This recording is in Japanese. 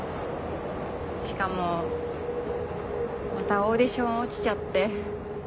しかもまたオーディション落ちちゃって。